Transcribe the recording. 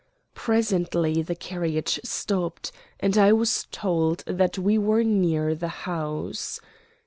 Presently the carriage stopped, and I was told that we were near the house.